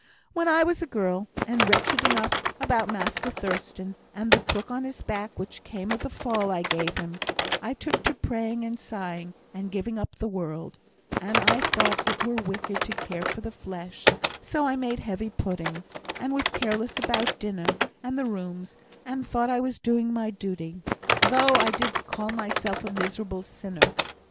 When I was a girl, and wretched enough about Master Thurstan, and the crook on his back which came of the fall I gave him, I took to praying and sighing, and giving up the world; and I thought it were wicked to care for the flesh, so I made heavy puddings, and was careless about dinner and the rooms, and thought I was doing my duty, though I did call myself a miserable sinner.